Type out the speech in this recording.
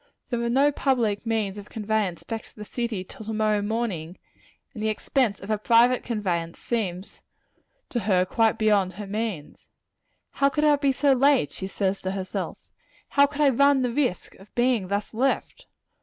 There are no public means of conveyance back to the city till to morrow morning, and the expense of a private conveyance seems to her quite beyond her means. How could I be so late? she says to herself. How could I run the risk of being thus left?